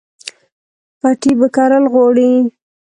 پټی به کرل غواړي